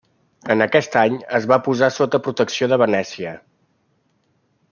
En aquest any es va posar sota protecció de Venècia.